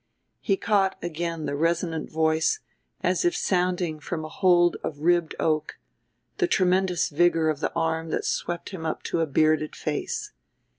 He caught again the resonant voice, as if sounding from a hold of ribbed oak, the tremendous vigor of the arm that swept him up to a bearded face.